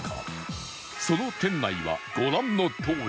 その店内はご覧のとおり